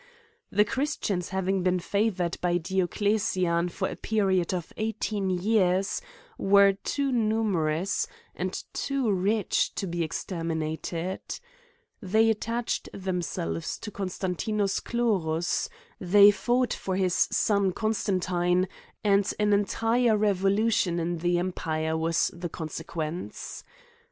The christians having been favoured by Diocle&ian for a period of eighteen years, were too numerous, and too rich to be exterminated : they attached themselves to Constantius Chlorus, they fought for his son Constantine, and an en tire revolution in the empire was the consequence.